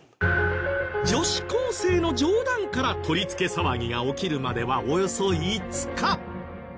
女子高生の冗談から取り付け騒ぎが起きるまではおよそ５日。